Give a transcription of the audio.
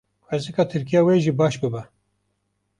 xwesika Tirkiya we jî baş biba.